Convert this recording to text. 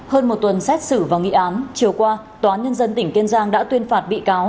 hơn một tuần xét xử và nghị ám chiều qua tòa nhân dân tỉnh kiên giang đã tuyên bố